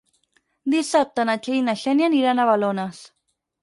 Dissabte na Txell i na Xènia aniran a Balones.